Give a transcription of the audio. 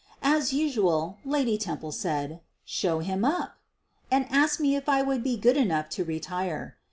As usual, Lady Temple said, "Show him up," and asked me if I would be good enough to retire.